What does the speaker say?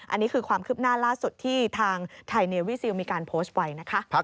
อันนี้คือความคืบหน้าล่าสุดที่ทางไทยเนวี่ซิลมีการโพสต์ไว้นะคะ